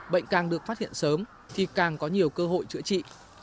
bệnh càng được phát hiện sớm thì càng có nhiều cơ hội chữa trị